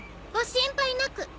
ご心配なく。